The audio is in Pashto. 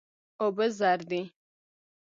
اوبه زر دي.